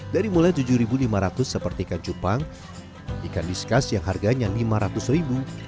dari mulai rp tujuh lima ratus seperti ikan cupang ikan diskas yang harganya rp lima ratus